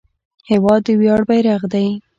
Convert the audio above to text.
هېواد د ویاړ بیرغ دی.